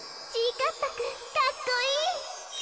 かっぱくんかっこいい。